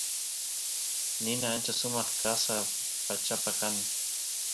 nina ancha sumaq qasa pachapa kan